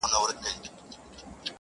زه د ښار ښايستې لكه كمر تر ملا تړلى يم.